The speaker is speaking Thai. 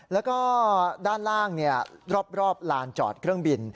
แล้วก็ด้านล่างรอบลานจอดเครื่องบิน